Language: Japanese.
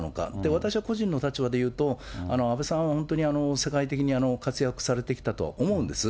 私は個人の立場でいうと、安倍さんは本当に世界的に活躍されてきたと思うんです。